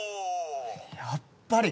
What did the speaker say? やっぱり！